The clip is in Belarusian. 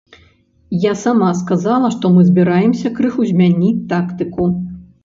Я сама сказала, што мы збіраемся крыху змяніць тактыку.